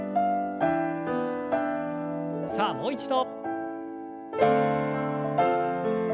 さあもう一度。